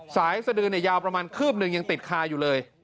สายสดือยาวประมาณคืบหนึ่งยังติดคาอยู่เลย